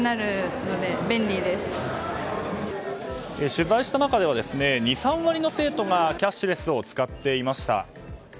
取材した中では２３割の生徒がキャッシュレスを使っていました。